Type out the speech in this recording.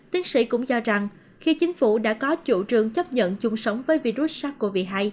tiến sĩ cũng cho rằng khi chính phủ đã có chủ trương chấp nhận chung sống với virus sars cov hai